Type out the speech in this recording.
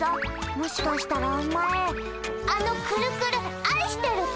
もしかしたらお前あのくるくるあいしてるか？